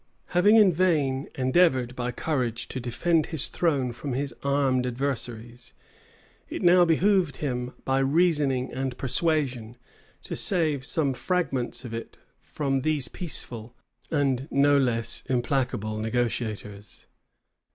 [] Having in vain endeavored by courage to defend his throne from his armed adversaries, it now behoved him, by reasoning and persuasion, to save some fragments of it from these peaceful, and no less implacable negotiators.